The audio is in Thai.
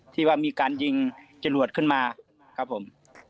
ที่ว่ามีการยิงจรวดขึ้นมาครับผม